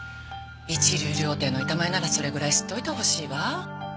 「一流料亭の板前ならそれぐらい知っておいてほしいわ」